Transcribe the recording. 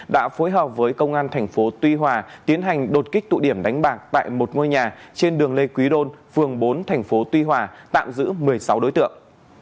đã phối hợp với công an thành phố tuy hòa tiến hành đột kích tụ điểm đánh bạc tại một ngôi nhà trên đường lê quý đôn phường bốn thành phố tuy hòa tạm giữ một mươi sáu đối tượng